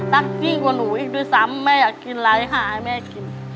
ยิ่งกว่าหนูอีกด้วยซ้ำแม่อยากกินไร้หาให้แม่กิน